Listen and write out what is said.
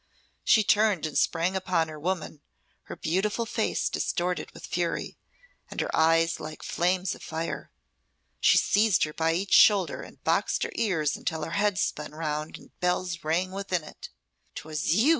She turned and sprang upon her woman, her beautiful face distorted with fury, and her eyes like flames of fire. She seized her by each shoulder and boxed her ears until her head spun round and bells rang within it. "'Twas you!"